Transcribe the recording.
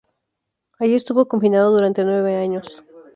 Allí estuvo confinado durante nueve años.